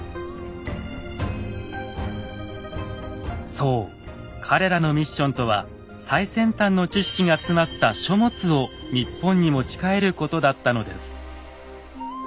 そう彼らのミッションとは最先端の知識が詰まった書物を日本に持ちかえることだったのです。